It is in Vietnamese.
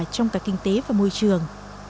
trong cả kinh tế và môi trường